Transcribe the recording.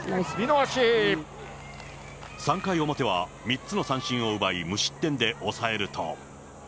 ３回表は３つの三振を奪い、無失点で抑えると。